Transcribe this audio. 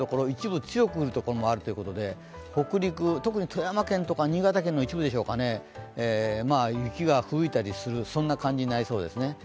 一部強く降るところもあって北陸、特に富山県とか新潟県の一部でしょうかね、雪が吹雪いたりする感じになりそうですね。